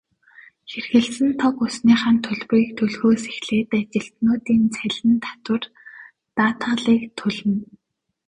Хэрэглэсэн тог, усныхаа төлбөрийг төлөхөөс эхлээд ажилтнуудын цалин, татвар, даатгалыг төлнө.